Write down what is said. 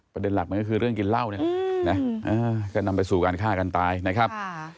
ประเด็นหลักมันก็คือเรื่องกินเหล้าเนี่ยนะก็นำไปสู่การฆ่ากันตายนะครับ